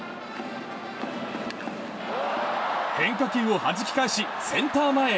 変化球をはじき返しセンター前へ。